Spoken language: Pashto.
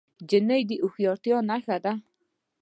نجلۍ د هوښیارتیا نښه ده.